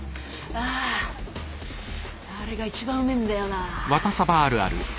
ああれが一番うめえんだよな。